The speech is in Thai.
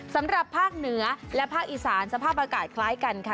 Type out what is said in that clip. สำหรับภาคเหนือและภาคอีสานสภาพอากาศคล้ายกันค่ะ